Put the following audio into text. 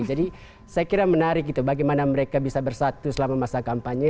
jadi saya kira menarik gitu bagaimana mereka bisa bersatu selama masa kampanye